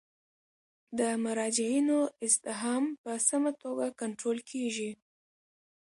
د مراجعینو ازدحام په سمه توګه کنټرول کیږي.